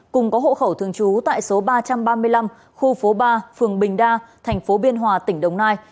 cùng có hộ khẩu thường trú tại số ba trăm ba mươi năm khu phố ba phường bình đa thành phố biên hòa tỉnh đồng nai